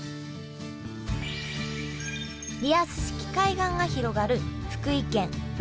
リアス式海岸が広がる福井県若狭地方。